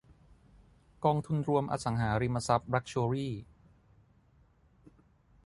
กองทุนรวมอสังหาริมทรัพย์ลักซ์ชัวรี่